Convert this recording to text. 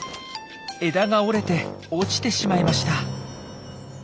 枝が折れて落ちてしまいました。